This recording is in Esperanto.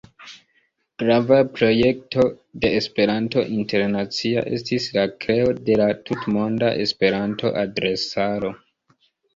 Grava projekto de "Esperanto Internacia" estis la kreo de la Tutmonda Esperanto-adresaro.